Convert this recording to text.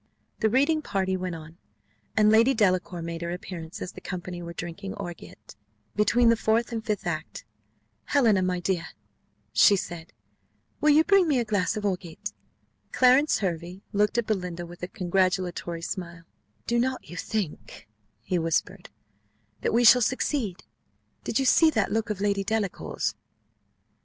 The reading party went on, and Lady Delacour made her appearance as the company were drinking orgeat, between the fourth and fifth act. "Helena, my dear," said she, "will you bring me a glass of orgeat?" Clarence Hervey looked at Belinda with a congratulatory smile: "do not you think," whispered he, "that we shall succeed? Did you see that look of Lady Delacour's?"